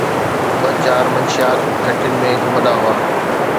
ٻه چار منشيات گهٽين ۾ گهمندا هئا